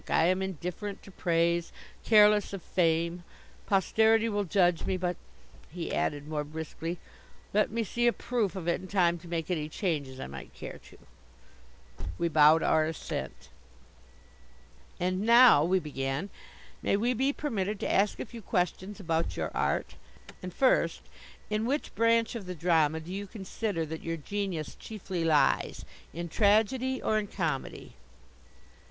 I am indifferent to praise, careless of fame. Posterity will judge me. But," he added more briskly, "let me see a proof of it in time to make any changes I might care to." We bowed our assent. "And now," we began, "may we be permitted to ask a few questions about your art? And first, in which branch of the drama do you consider that your genius chiefly lies, in tragedy or in comedy?"